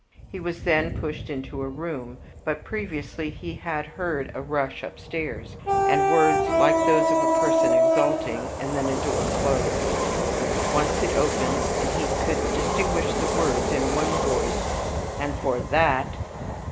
He was then pushed into a room; but previously he had heard a rush upstairs, and words like those of a person exulting, and then a door closed. Once it opened, and he could distinguish the words, in one voice, "And for THAT!"